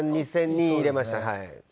１万２０００人入れました。